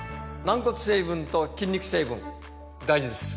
軟骨成分と筋肉成分大事です